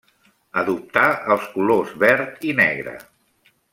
Adoptà els colors verd i negre.